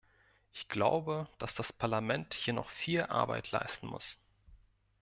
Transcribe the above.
Ich glaube, dass das Parlament hier noch viel Arbeit leisten muss.